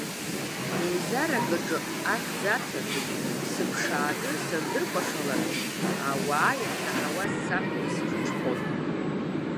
Еизарак аҿы ахьӡ аҭан, сыԥшааны сандыркәашалак, ауаа иахьраҳауаз саб дысхыҽхәон.